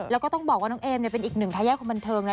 แล้วก็ต้องบอกว่าน้องเอมเป็นอีกหนึ่งทายาทของบันเทิงนะ